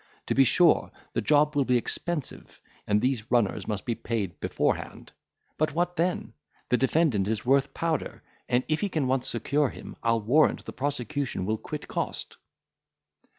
To be sure, the job will be expensive; and all these runners must be paid beforehand. But what then? the defendant is worth powder, and if we can once secure him, I'll warrant the prosecution will quit cost."